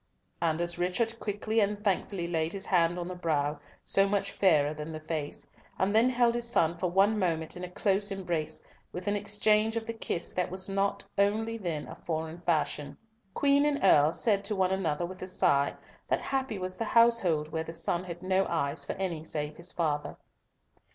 And as Richard quickly and thankfully laid his hand on the brow, so much fairer than the face, and then held his son for one moment in a close embrace, with an exchange of the kiss that was not then only a foreign fashion. Queen and Earl said to one another with a sigh, that happy was the household where the son had no eyes for any save his father.